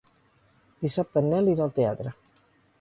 Dissabte en Nel irà al teatre.